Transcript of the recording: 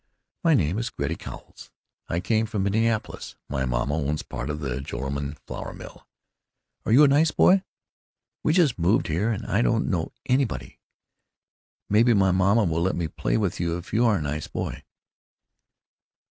"My name is Gertie Cowles. I came from Minneapolis. My mamma owns part of the Joralemon Flour Mill.... Are you a nice boy? We just moved here and I don't know anybody. Maybe my mamma will let me play with you if you are a nice boy."